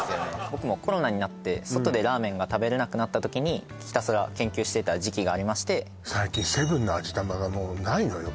僕もコロナになって外でラーメンが食べれなくなった時にひたすら研究してた時期がありまして最近セブンの味玉がもうないのよ